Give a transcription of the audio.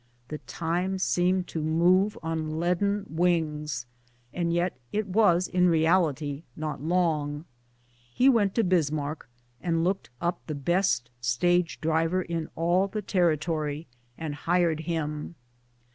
The time seemed to move on leaden wings, and yet it was in reality not long. He went to Bismarck, and looked up the best stage driver in all the territory, and hired him.